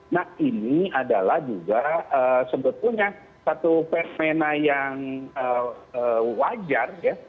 nah ini adalah juga sebetulnya satu fenomena yang wajar ya